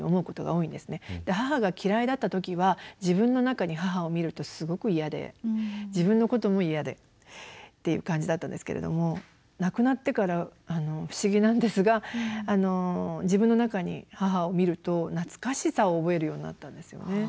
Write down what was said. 母が嫌いだった時は自分の中に母を見るとすごく嫌で自分のことも嫌でっていう感じだったんですけれども亡くなってから不思議なんですが自分の中に母を見ると懐かしさを覚えるようになったんですよね。